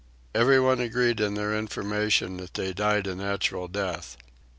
Everyone agreed in their information that they died a natural death.